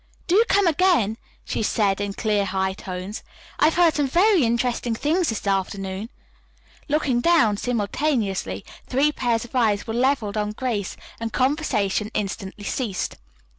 "Do come again," she was saying in clear, high tones. "I've heard some very interesting things this afternoon." Looking down, simultaneously, three pairs of eyes were leveled on Grace and conversation instantly ceased.